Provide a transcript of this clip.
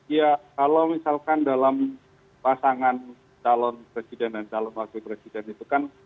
ya kalau misalkan dalam pasangan calon presiden dan calon wakil presiden itu kan